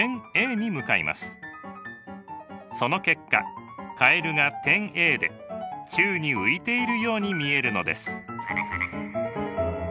その結果カエルが点Ａで宙に浮いているように見えるのです。